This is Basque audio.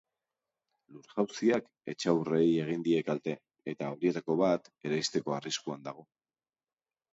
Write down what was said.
Lur-jauziak etxaurrei egin die kalte, eta horietako bat eraisteko arriskuan dago.